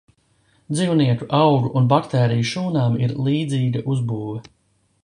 Dzīvnieku, augu un baktēriju šūnām ir līdzīga uzbūve.